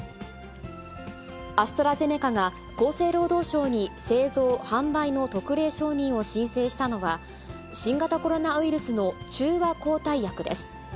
アストラゼネカが、厚生労働省に製造・販売の特例承認を申請したのは、新型コロナウイルスの中和抗体薬です。